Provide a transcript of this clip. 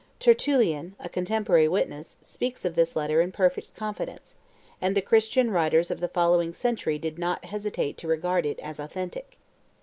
Tertullian, a contemporary witness, speaks of this letter in perfect confidence; and the Christian writers of the following century did not hesitate to regard it as authentic.